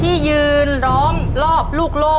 ขอเชิญแสงเดือนมาต่อชีวิต